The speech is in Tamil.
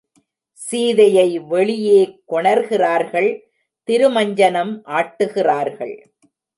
சீதையை வெளியே கொணர்கிறார்கள் திருமஞ்சனம் ஆட்டுகிறார்கள்.